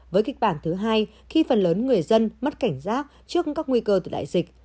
với kịch bản thứ hai khi phần lớn người dân mất cảnh giác trước các nguy cơ từ đại dịch